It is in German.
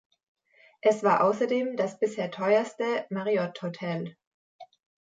Es war außerdem das bisher teuerste Mariott-Hotel.